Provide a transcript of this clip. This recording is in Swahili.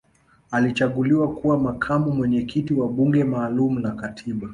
alichaguliwa kuwa makamu mwenyekiti wa bunge maalum la katiba